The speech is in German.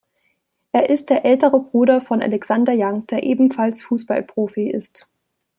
Er ist der ältere Bruder von Alexander Jank, der ebenfalls Fußballprofi ist.